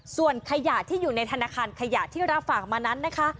ส่วนขยะที่อยู่ในธนาคารขยะที่รับฝากมานั้นนะคะ